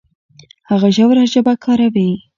هغه ژوره ژبه کاروي.